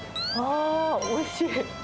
あー、おいしい。